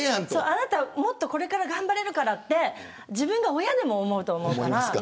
あなたはもっとこれから頑張れるからって自分が親でも思うと思う。